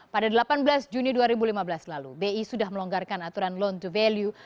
pada delapan belas juni dua ribu lima belas lalu bi sudah melonggarkan aturan loan to value